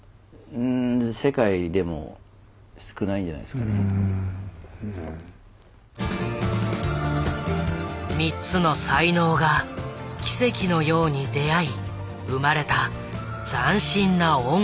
なかなか３人で３つの才能が奇跡のように出会い生まれた斬新な音楽。